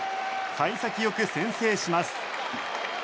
幸先よく先制します。